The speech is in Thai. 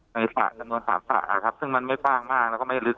ไปต้นหารายศาสตร์อะซึ่งมันไม่ทั้งโมงว่างมากและก็ไม่ลึก